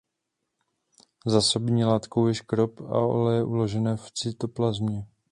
Zásobní látkou je škrob a oleje uložené v cytoplazmě.